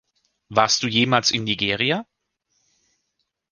Warst du jemals in Nigeria?